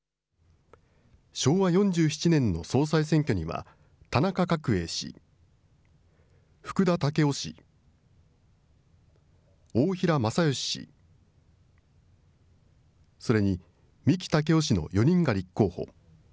昭和４７年の総裁選挙には、田中角栄氏、福田赳夫氏、大平正芳氏、それに三木武夫氏の４人が立候補。